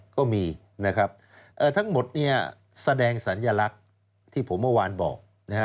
ก็มีนะครับทั้งหมดเนี่ยแสดงสัญลักษณ์ที่ผมเมื่อวานบอกนะฮะ